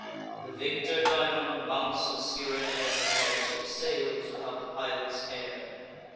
The victor daemon mounts obscure in air, While the ship sails without the pilot's care.